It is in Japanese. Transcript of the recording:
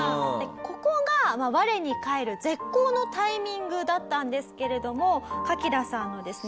ここが我に返る絶好のタイミングだったんですけれどもカキダさんのですね